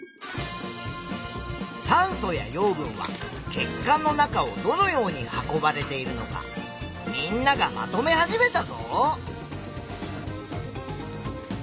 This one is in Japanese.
酸素や養分は血管の中をどのように運ばれているのかみんながまとめ始めたぞ！